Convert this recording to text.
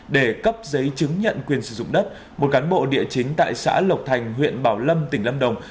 để cấp giấy chứng nhận quyền sử dụng đất một cán bộ địa chính tại xã lộc thành huyện bảo lâm tỉnh lâm đồng